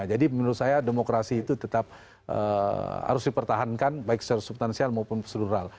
jadi menurut saya demokrasi itu tetap harus dipertahankan baik secara subtansial maupun procedural